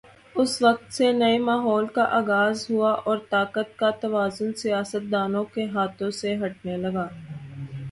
اس وقت سے نئے ماحول کا آغاز ہوا اور طاقت کا توازن سیاستدانوں کے ہاتھوں سے ہٹنے لگا۔